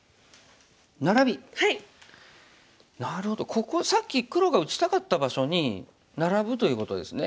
ここさっき黒が打ちたかった場所にナラブということですね。